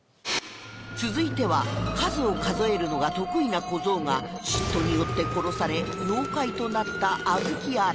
続いては数を数えるのが得意な小僧が嫉妬によって殺され妖怪となった小豆洗い